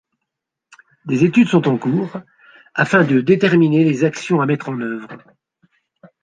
Des études sont en cours afin de déterminer les actions à mettre en œuvre.